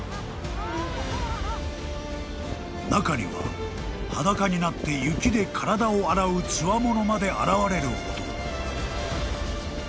［中には裸になって雪で体を洗うつわものまで現れるほど］